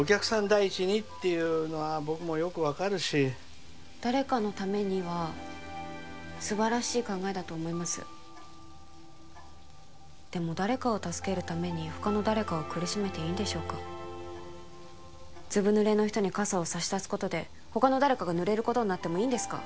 第一にっていうのは僕もよく分かるし誰かのためには素晴らしい考えだと思いますでも誰かを助けるために他の誰かを苦しめていいんでしょうかずぶぬれの人に傘を差し出すことで他の誰かがぬれることになってもいいんですか？